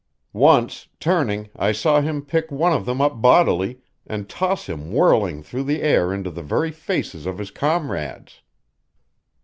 Once, turning, I saw him pick one of them up bodily and toss him whirling through the air into the very faces of his comrades.